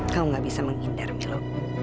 kamu gak bisa menghindar milo